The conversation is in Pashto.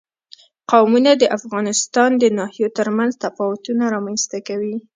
قومونه د افغانستان د ناحیو ترمنځ تفاوتونه رامنځ ته کوي.